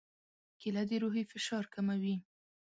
کېله د روحي فشار کموي.